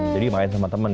jadi main sama temen ya